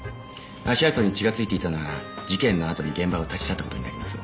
足跡に血が付いていたなら事件のあとに現場を立ち去った事になります。